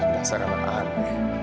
tuh enggak salah